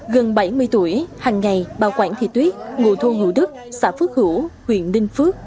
gần bảy mươi tuổi hằng ngày bà quảng thị tuyết ngụ thôn hữu đức xã phước hữu huyện ninh phước